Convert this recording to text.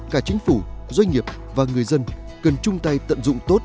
cả chính phủ doanh nghiệp và người dân cần chung tay tận dụng tốt